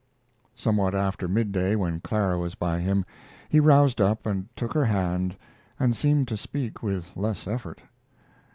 Somewhat after midday, when Clara was by him, he roused up and took her hand, and seemed to speak with less effort.